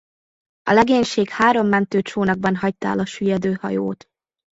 A legénység három mentőcsónakban hagyta el a süllyedő hajót.